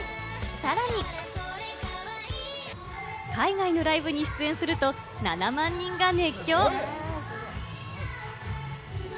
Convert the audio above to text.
さらに海外のライブに出演すると７万人が熱狂！